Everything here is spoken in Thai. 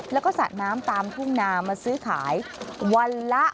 แล้วก็สระน้ำตามทุ่งนามาซื้อขายวันละ